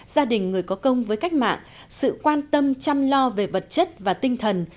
gia đình người có công với cách mạng sự quan tâm chăm lo về vật chất và tinh thần